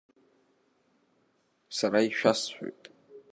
Сара ишәасҳәоит.